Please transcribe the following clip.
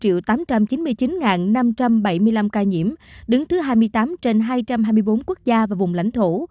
việt nam có một tám trăm chín mươi chín năm trăm bảy mươi năm ca nhiễm đứng thứ hai mươi tám trên hai trăm hai mươi bốn quốc gia và vùng lãnh thổ